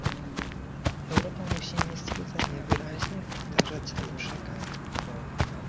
Europa musi niestrudzenie wyraźnie powtarzać ten przekaz